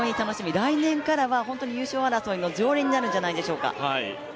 来年からは優勝争いの常連になるんじゃないでしょうか。